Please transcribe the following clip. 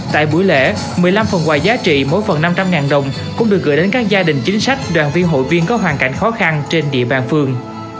tại buổi lễ một mươi năm phần quà giá trị mỗi phần năm trăm linh đồng cũng được gửi đến các gia đình chính sách đoàn viên hội viên có hoàn cảnh khó khăn trên địa bàn phường